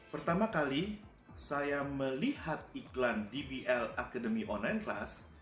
pertama kali saya melihat iklan dbl academy online class